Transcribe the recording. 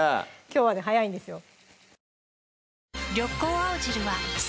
きょうはね早いんですよ